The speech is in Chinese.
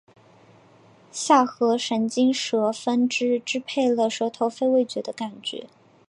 下颌神经舌分支支配了舌头非味觉的感觉